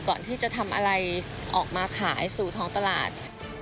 ก่อนที่จะทำอะไรออกมาขายสู่ท้องตลาด